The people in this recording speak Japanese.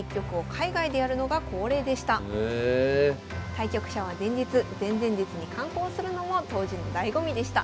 対局者は前日前々日に観光するのも当時のだいご味でした。